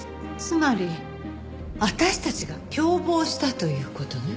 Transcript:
つまり私たちが共謀したという事ね？